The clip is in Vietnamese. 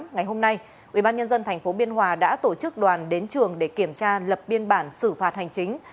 ngày hôm nay ubnd tp biên hòa đã tổ chức đoàn đến trường để kiểm tra lập biên bản xử phạt hành chính